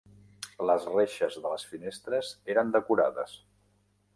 Les reixes de les finestres eren decorades.